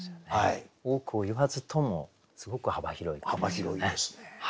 多くを言わずともすごく幅広い句ですよね。